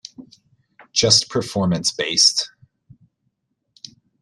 Just performance based.